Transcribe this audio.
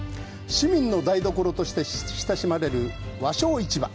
市民の台所として親しまれる和商市場。